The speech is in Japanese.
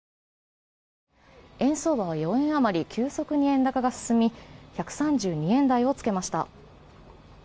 円相場は４円余り、急速に円高が進み１３２円台をつけました。